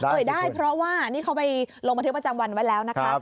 เอ่ยได้เพราะว่านี่เขาไปลงบันทึกประจำวันไว้แล้วนะคะ